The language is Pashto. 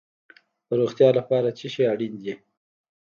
د روغتیا لپاره څه شی اړین دي؟